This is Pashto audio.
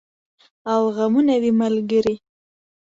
او غمونه وي ملګري